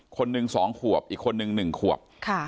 คนหนึ่ง๒ขวบอีกคนนึง๑ขวบ